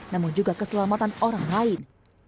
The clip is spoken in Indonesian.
namun juga keselamatan orang lain